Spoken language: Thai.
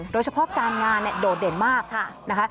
โดยเฉพาะการงานเนี่ยโดดเด่นมากนะคะ